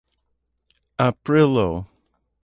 aprilo